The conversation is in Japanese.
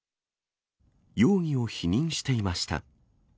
容疑を否認していました。